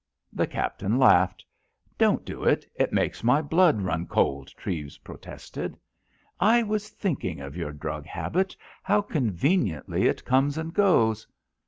The Captain laughed. "Don't do it; it makes my blood run cold," Treves protested. "I was thinking of your drug habit—how conveniently it comes and goes."